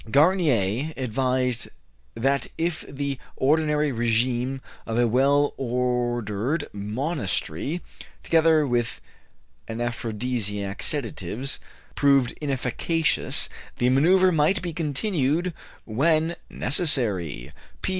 Gamier advised that if the ordinary régime of a well ordered monastry, together with anaphrodisiac sedatives, proved inefficacious, the manoeuvre might be continued when necessary (P.